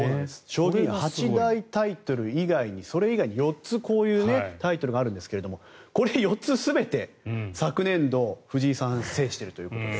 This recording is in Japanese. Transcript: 将棋は八大タイトル以外にそれ以外に４つこういうタイトルがあるんですがこれ、４つ全て昨年度藤井さんが制しているということで。